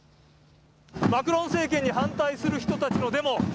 マクロン政権に反対する人たちのデモ。